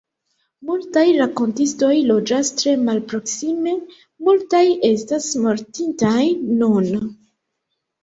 Multaj rakontistoj loĝas tre malproksime, multaj estas mortintaj nun.